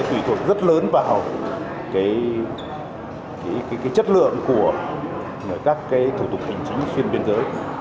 tùy thuộc rất lớn vào chất lượng của các thủ tục hành chính xuyên biên giới